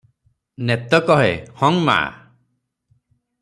ନେତ କହେ, ହଂ ମାଁ ।